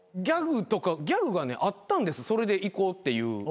ギャグがあったんですそれでいこうっていう。